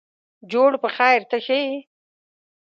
جوړ په خیرته ښه یې.